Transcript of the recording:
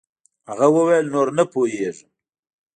هغه وويل نور نه پوهېږم.